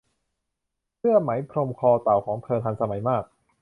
เสื้อไหมพรมคอเต่าของเธอทันสมัยมาก